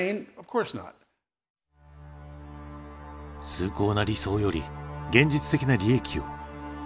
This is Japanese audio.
崇高な理想より現実的な利益を。